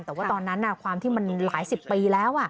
แต่ว่าตอนนั้นความที่มันหลายสิบปีแล้ว